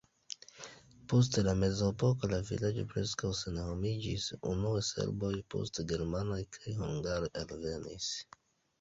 Post la mezepoko la vilaĝo preskaŭ senhomiĝis, unue serboj, poste germanoj kaj hungaroj alvenis.